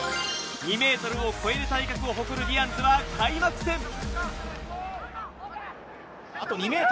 ２ｍを超える体格を誇るディアンズは開幕戦。